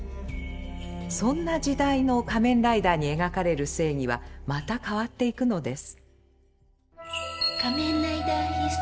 そんな時代の仮面ライダーに描かれる正義はまた変わっていくのです。